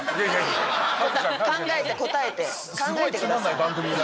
考えて答えて考えてください。